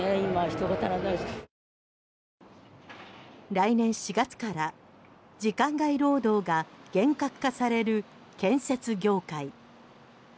来年４月から時間外労働が厳格化される建設業界。